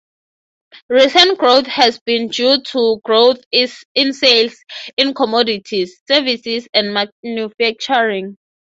Recent growth has been due to growth in sales in commodities, services, and manufacturing.